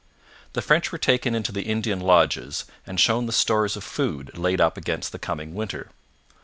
The French were taken into the Indian lodges and shown the stores of food laid up against the coming winter.